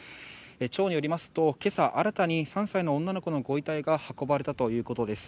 町によりますと今朝、新たに３歳の女の子のご遺体が運ばれたということです。